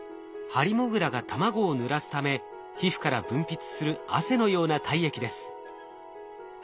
ハリモグラが卵をぬらすため皮膚から分泌する汗のような体液です。